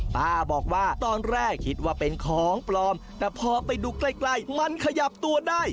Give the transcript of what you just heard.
ป้าบอกว่าตอนแรกคิดว่าเป็นของปลอมแต่พอไปดูใกล้มันขยับตัวได้